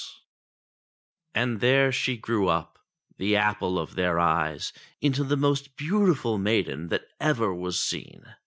326 ENGLISH FAIRY TALES And there she grew up, the apple of their eyes, into the most beautiful maiden that ever was seen.